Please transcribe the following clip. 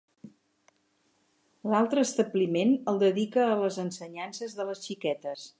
L'altre establiment el dedica a les ensenyances de les xiquetes.